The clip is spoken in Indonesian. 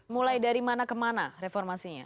mulai dari mana ke mana reformasinya